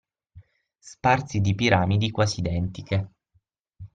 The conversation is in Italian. Sparsi di piramidi quasi identiche.